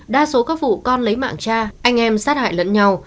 đa số các vụ con lấy mạng cha anh em sát hại lẫn nhau